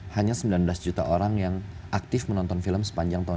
hanya sembilan belas juta orang yang aktif menonton film sepanjang tahun dua ribu